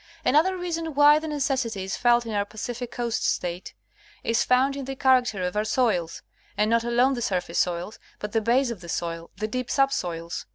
Another reason why the necessity is felt in our Pacific Coast State, is found in the character of our soils ; and not alone the surface soils, but the base of the soil — the deep subsoils.